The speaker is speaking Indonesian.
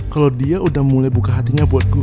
kalau dia udah mulai buka hatinya buat gue